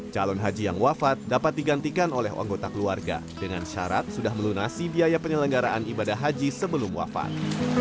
calon haji yang wafat dapat digantikan oleh anggota keluarga dengan syarat sudah melunasi biaya penyelenggaraan ibadah haji sebelum wafat